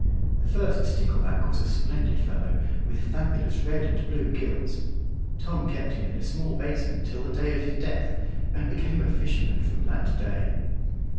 The first stickleback was a splendid fellow, with fabulous red and blue gills. Tom kept him in a small basin till the day of his death, and became a fisherman from that day.